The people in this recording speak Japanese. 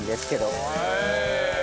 へえ。